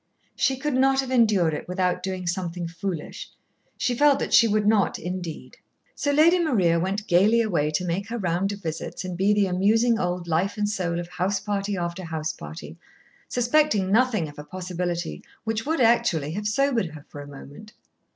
She could not have endured it without doing something foolish, she felt that she would not, indeed. So Lady Maria went gaily away to make her round of visits and be the amusing old life and soul of house party after house party, suspecting nothing of a possibility which would actually have sobered her for a moment.